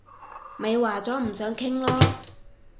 咪話咗唔想傾囉